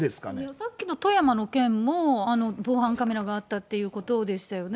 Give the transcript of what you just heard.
さっきの富山の件も、防犯カメラがあったということでしたよね。